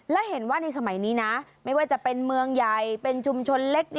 และเห็นว่าในสมัยนี้นะไม่ว่าจะเป็นเมืองใหญ่เป็นชุมชนเล็ก